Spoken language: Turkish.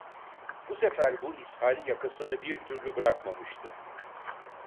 Bu sefer bu ishal yakasını bir türlü bırakmamıştı.